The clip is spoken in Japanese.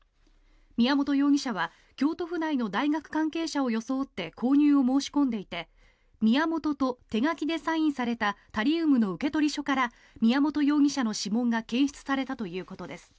宮本容疑者は京都府内の大学関係者を装って購入を申し込んでいて宮本と手書きでサインされたタリウムの受取書から宮本容疑者の指紋が検出されたということです。